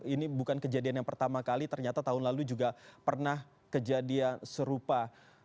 ini bukan kejadian yang pertama kali ternyata tahun lalu juga pernah kejadian serupa